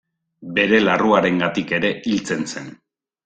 Bere larruarengatik ere hiltzen zen.